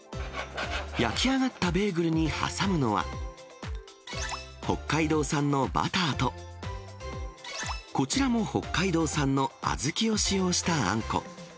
焼き上がったベーグルに挟むのは、北海道産のバターと、こちらも北海道産のあずきを使用したあんこ。